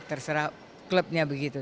terserah klubnya begitu